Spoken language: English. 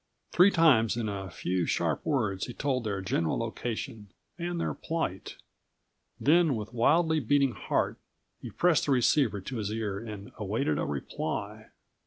Three times in a few sharp words he told their general location and their plight. Then158 with wildly beating heart, he pressed the receivers to his ears and awaited a reply.